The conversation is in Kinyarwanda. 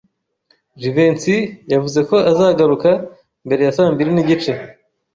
Jivency yavuze ko azagaruka mbere ya saa mbiri n'igice.